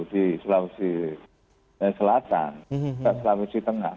di sulawesi selatan sulawesi tengah